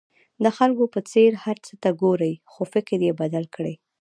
د خلکو په څېر هر څه ته ګورئ خو فکر یې بدل کړئ.